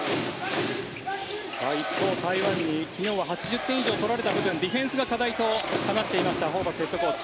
一方、台湾に昨日は８０点以上取られた部分ディフェンスが課題と話していましたホーバスヘッドコーチ。